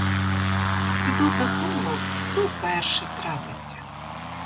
Піду за того, хто перший трапиться.